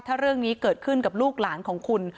ถ้าเรื่องนี้เกิดขึ้นกับลูกหลานของคุณ